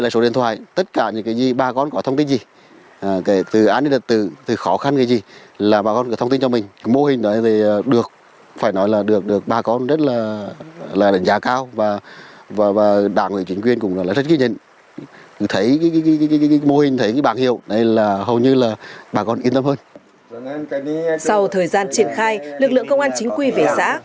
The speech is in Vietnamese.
sau thời gian triển khai lực lượng công an chính quy về xã